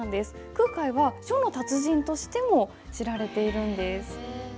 空海は書の達人としても知られているんです。